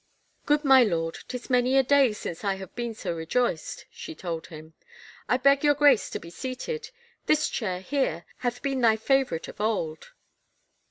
" Good, my lord, 'tis many a day since I have been so rejoiced," she told him. " I beg your Grace to be seated — this chair, here, hath been thy favorite of old."